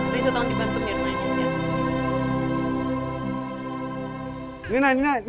reina tetanggung dibantu reina ini